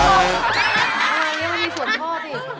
อะไรนะกันหน้าสวนพ่อสิ